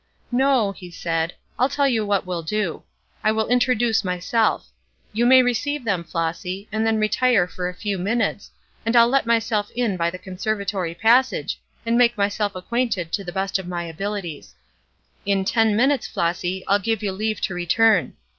"No," he said, "I'll tell you what we'll do. I will introduce myself. You may receive them, Flossy, and then retire for a few minutes, and I'll let myself in by the conservatory passage, and make myself acquainted to the best of my abilities. In ten minutes, Flossy, I'll give you leave to return.